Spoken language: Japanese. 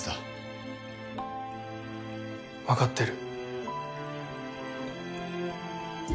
わかってる。